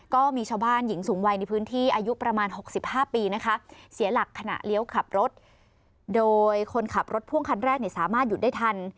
ก็มีชาวบ้านหญิงสูงวัยในพื้นที่อายุประมาณ๖๕ปีนะคะเสียหลักขณะเลี้ยวขับรถโดยคนขับรถพ่วงคันแรกเนี่ยสามารถหยุดได้ทัน